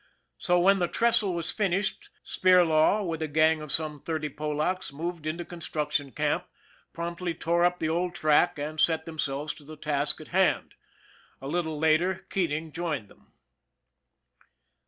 So, when the trestle was finished, Spirlaw with a gang of some thirty Polacks moved into con struction camp, promptly tore up the old track, and set themselves to the task in hand. A little later, Keat ing joined them.